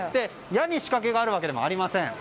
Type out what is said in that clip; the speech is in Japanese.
矢に仕掛けがあるわけでもありません。